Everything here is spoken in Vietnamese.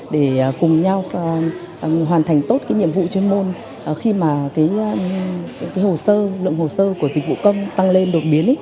để cùng nhau hoàn thành tốt cái nhiệm vụ chuyên môn khi mà cái hồ sơ lượng hồ sơ của dịch vụ công tăng lên đột biến